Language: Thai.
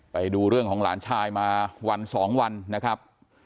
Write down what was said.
ไปดูเรื่องของหลานชายมาวันสองวันนะครับ